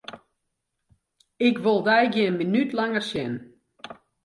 Ik wol dyn gjin minút langer sjen!